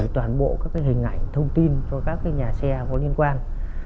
gửi toàn bộ các cái hình ảnh thông tin cho các cái nhà xe có liên quan